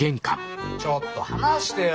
ちょっと離してよ！